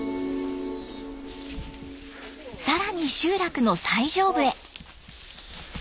更に集落の最上部へ。